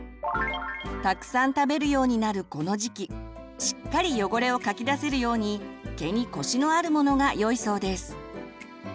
たくさん食べるようになるこの時期しっかり汚れをかき出せるように毛にコシのあるものがよいそうです。